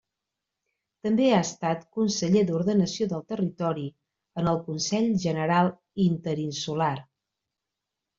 També ha estat Conseller d'Ordenació del Territori en el Consell General Interinsular.